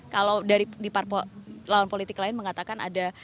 kalau di lawan politik lain mengatakan ada